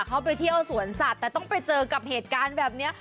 เขาไปเที่ยวสวนสัตว์แต่ต้องไปเจอกับเหตุการณ์แบบนี้